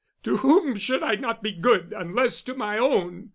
"To whom should I not be good unless to my own.